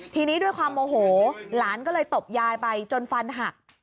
ทีนี้ด้วยความโมโหหลานก็เลยตบยายไปจนฟันหัก